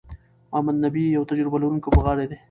محمد نبي یو تجربه لرونکی لوبغاړی دئ.